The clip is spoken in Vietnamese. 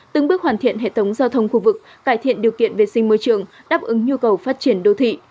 từng bước hoàn thiện hệ thống giao thông khu vực cải thiện điều kiện vệ sinh môi trường đáp ứng nhu cầu phát triển đô thị